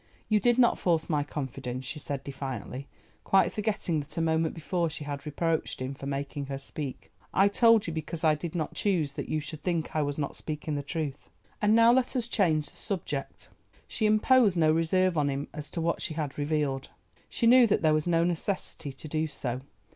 "You did not force my confidence," she said defiantly, quite forgetting that a moment before she had reproached him for making her speak. "I told you because I did not choose that you should think I was not speaking the truth—and now let us change the subject." She imposed no reserve on him as to what she had revealed; she knew that there was no necessity to do so.